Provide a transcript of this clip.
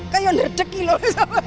kayaknya sudah terdekat loh